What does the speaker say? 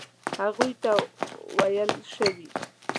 هغوی ته ویل شوي.